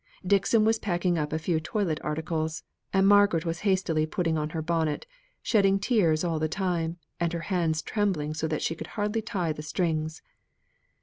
Dixon was packing up a few toilette articles, and Margaret was hastily putting on her bonnet, shedding tears all the time, and her hands trembling so that she could hardly tie the strings.